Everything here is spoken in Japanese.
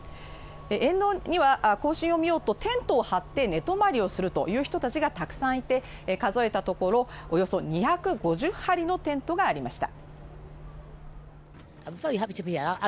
沿道には行進を見ようとテントを張って寝泊まりをするという方がたくさんいて、数えたところおよそ２５０張りのテントがありました。